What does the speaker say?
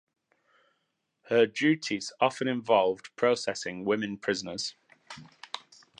Her duties often involved processing women prisoners.